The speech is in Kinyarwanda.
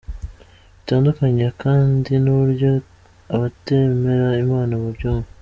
Bitandukanye kandi n’uburyo abatemera Imana babyumva.